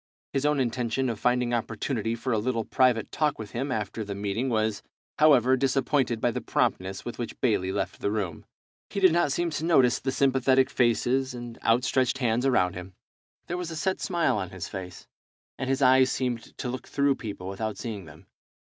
His own intention of finding opportunity for a little private talk with him after the meeting was, however, disappointed by the promptness with which Bayley left the room. He did not seem to notice the sympathetic faces and out stretched hands around him. There was a set smile on his face, and his eyes seemed to look through people without seeing them.